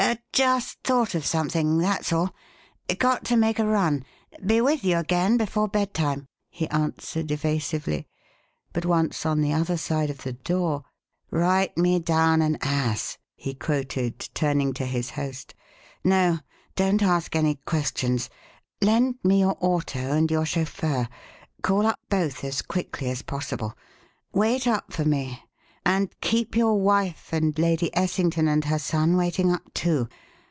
"Just thought of something that's all. Got to make a run; be with you again before bedtime," he answered evasively. But once on the other side of the door: "'Write me down an ass,'" he quoted, turning to his host. "No, don't ask any questions. Lend me your auto and your chauffeur. Call up both as quickly as possible. Wait up for me and keep your wife and Lady Essington and her son waiting up, too.